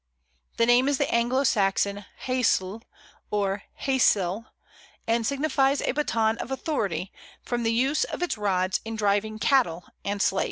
The name is the Anglo Saxon hæsl, or hæsel, and signifies a baton of authority, from the use of its rods in driving cattle and slaves.